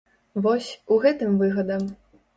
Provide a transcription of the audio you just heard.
Вось, у гэтым выгада.